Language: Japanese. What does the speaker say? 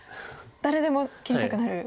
誰でも切りたくなる。